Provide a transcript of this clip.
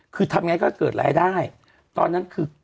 คือทำไงก็เกิดรายได้ตอนนั้นคือ